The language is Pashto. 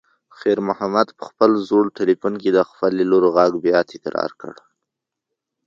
خیر محمد په خپل زوړ تلیفون کې د خپلې لور غږ بیا تکرار کړ.